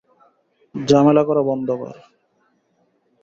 ঝামেলা করা বন্ধ কর।